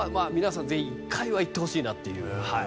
ぜひ１回は行ってほしいなっていう。